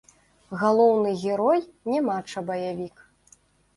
Галоўны герой не мача-баявік.